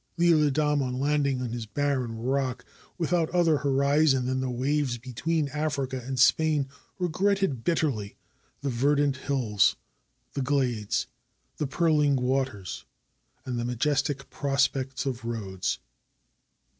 LTle Adam, on landing on this barren rock, without other horizon than the waves between Africa and Spain, regretted bitterly the verdant hills, the glades, the purling waters, and the majestic prospects of Rhodes.